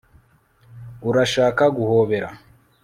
urashaka guhobera